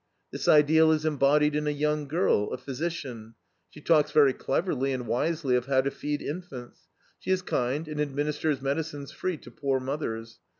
This ideal is embodied in a young girl, a physician. She talks very cleverly and wisely of how to feed infants; she is kind, and administers medicines free to poor mothers.